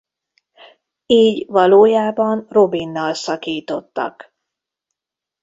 Így valójában Robinnal szakítottak.